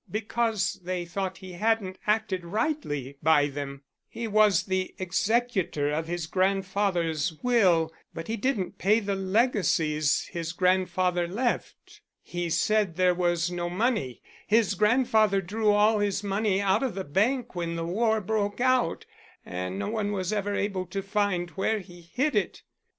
"Because they thought he hadn't acted rightly by them. He was the executor of his grandfather's will, but he didn't pay the legacies his grandfather left. He said there was no money. His grandfather drew all his money out of the bank when the war broke out, and no one was ever able to find where he hid it.